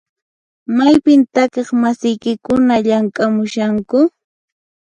Maypin takiq masiykikuna llamk'amushanku?